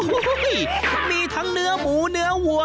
โอ้โหมีทั้งเนื้อหมูเนื้อวัว